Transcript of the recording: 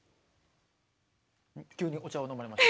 急にお茶を飲まれました。